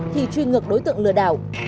thì truy ngược đối tượng lừa đảo